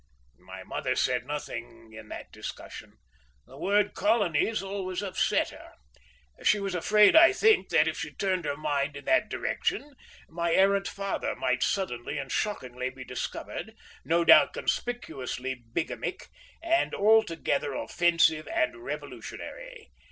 My mother said nothing in that discussion. The word colonies always upset her. She was afraid, I think, that if she turned her mind in that direction my errant father might suddenly and shockingly be discovered, no doubt conspicuously bigamic and altogether offensive and revolutionary.